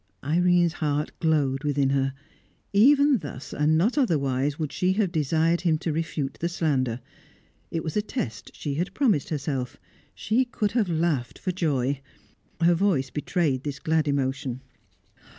Irene's heart glowed within her. Even thus, and not otherwise, would she have desired him to refute the slander. It was a test she had promised herself; she could have laughed for joy. Her voice betrayed this glad emotion.